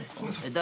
誰？